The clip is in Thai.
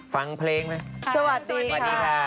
ฟังเพลงเลยสวัสดีค่ะสวัสดีค่ะ